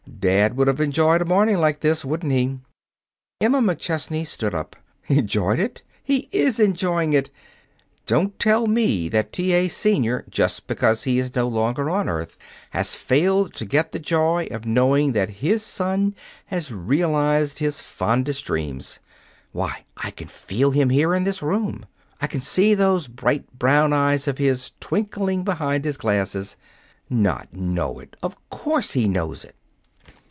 "Dad would have enjoyed a morning like this, wouldn't he?" Emma McChesney stood up. "Enjoyed it! He is enjoying it. Don't tell me that T. A., Senior, just because he is no longer on earth, has failed to get the joy of knowing that his son has realized his fondest dreams. Why, I can feel him here in this room, I can see those bright brown eyes of his twinkling behind his glasses. Not know it! Of course he knows it."